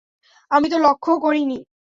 আমি তো লক্ষ্যও করিনি।